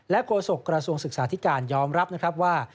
และโกศกกระทรวงศึกษาธิการยอมรับว่า